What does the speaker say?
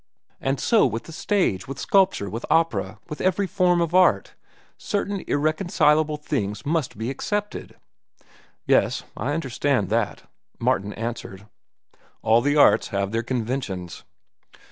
And so with the stage, with sculpture, with opera, with every art form. Certain irreconcilable things must be accepted." "Yes, I understood that," Martin answered. "All the arts have their conventions."